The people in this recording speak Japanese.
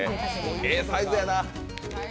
ええサイズやな。